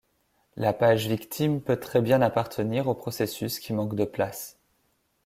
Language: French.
La page victime peut très bien appartenir au processus qui manque de place.